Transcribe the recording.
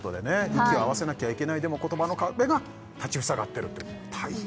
息を合わせなきゃいけないでも言葉の壁が立ち塞がっているって大変ですね